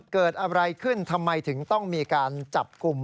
เกิดอะไรขึ้นทำไมถึงต้องมีการจับกลุ่ม